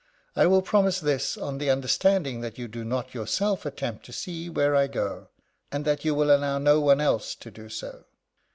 I will promise this on the understanding that you do not yourself attempt to see where I go, and that you will allow no one else to do so."